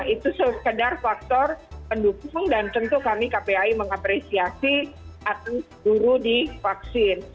itu sekedar faktor pendukung dan tentu kami kpai mengapresiasi atas guru di vaksin